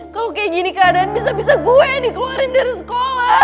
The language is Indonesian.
kalau kayak gini keadaan bisa bisa gue dikeluarin dari sekolah